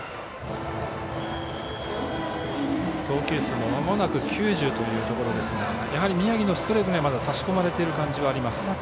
投球数もまもなく９０ですがやはり宮城のストレートに差し込まれている感じがあります。